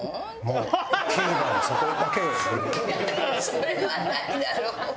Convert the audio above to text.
それはないだろ。